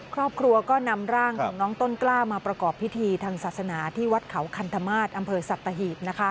ครอบครัวก็นำร่างของน้องต้นกล้ามาประกอบพิธีทางศาสนาที่วัดเขาคันธมาตรอำเภอสัตหีบ